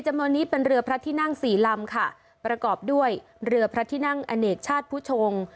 เหลือพระที่นั่งศรีลำค่ะประกอบด้วยเหลือพระที่นั่งอเนกชาติผู้ชง